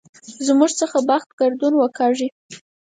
زموږ څخه بخت ګردون وکاږي.